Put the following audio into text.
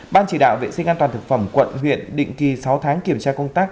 ban chỉ đạo vệ sinh an toàn thực phẩm quận huyện định kỳ sáu tháng kiểm tra công tác